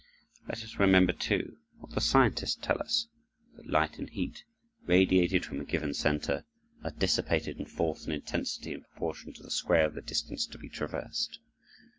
Let us remember, too, what the scientists tell us, that light and heat radiated from a given center are dissipated in force and intensity in proportion to the square of the distance to be traversed.